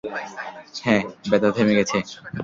হ্যাঁ, ব্যথা থেমে গেছে।